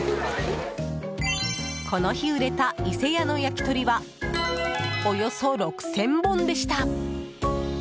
この日売れた、いせやの焼き鳥はおよそ６０００本でした。